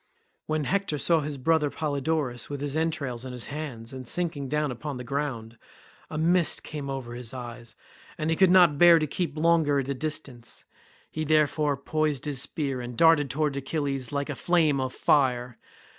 When Hector saw his brother Polydorus with his entrails in his hands and sinking down upon the ground, a mist came over his eyes, and he could not bear to keep longer at a distance; he therefore poised his spear and darted towards Achilles like a flame of fire.